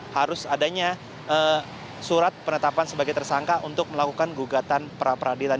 harus adanya surat penetapan sebagai tersangka untuk melakukan gugatan pra peradilan